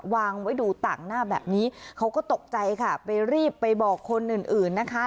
วางไว้ดูต่างหน้าแบบนี้เขาก็ตกใจค่ะไปรีบไปบอกคนอื่นอื่นนะคะ